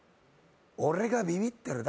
俺がビビってるだ？